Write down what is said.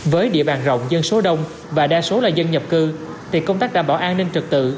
với địa bàn rộng dân số đông và đa số là dân nhập cư thì công tác đảm bảo an ninh trực tự